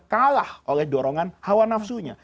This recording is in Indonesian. kalah oleh dorongan hawa nafsunya